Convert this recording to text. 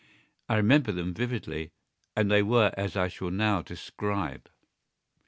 I remember them vividly, and they were as I shall now describe. .....